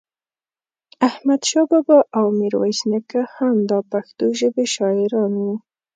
احمد شاه بابا او ميرويس نيکه هم دا پښتو ژبې شاعران وو